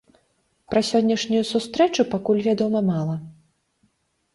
Пра сённяшнюю сустрэчу пакуль вядома мала.